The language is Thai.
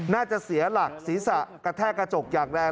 น่าจะเสียหลักศีรษะกระแทกกระจกอย่างแรง